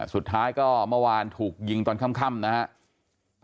สุดท้ายก็เมื่อวานถูกยิงตอนค่ำนะครับ